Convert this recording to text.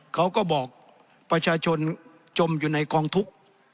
เขาก็บอกประชาชนจมอยู่ในกองทุกข์